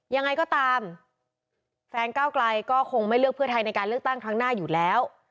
ยังไงก็ตามแฟนก้าวไกลก็คงไม่เลือกเพื่อไทยในการเลือกตั้งครั้งหน้าอยู่แล้ว